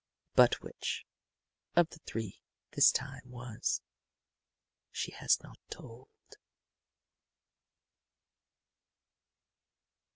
But which of the three this time was, she has not told.